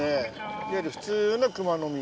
いわゆる普通のクマノミ。